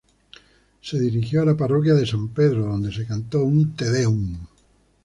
Se dirigió a la Parroquia de San Pedro, donde se cantó un "Te Deum".